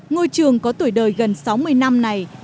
ngôi trường có tuổi đời gần sáu mươi năm này